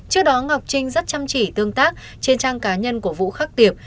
trước đó ngọc trinh rất chăm chỉ tương tác trên trang cá nhân của vũ khắc tiệp